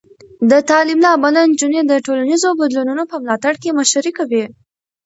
د تعلیم له امله، نجونې د ټولنیزو بدلونونو په ملاتړ کې مشري کوي.